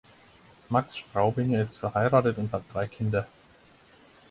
Max Straubinger ist verheiratet und hat drei Kinder.